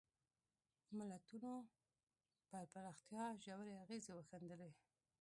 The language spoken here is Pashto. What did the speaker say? ملتونو پر پراختیا ژورې اغېزې وښندلې.